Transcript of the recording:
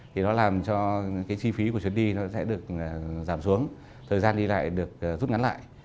thì nó làm cho cái chi phí của chuyến đi nó sẽ được giảm xuống thời gian đi lại được rút ngắn lại